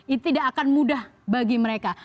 itu tidak akan mudah bagi mereka